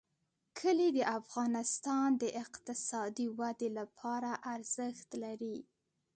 کلي د افغانستان د اقتصادي ودې لپاره ارزښت لري.